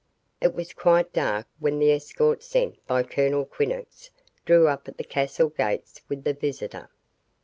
It was quite dark when the escort sent by Colonel Quinnox drew up at the castle gates with the visitor.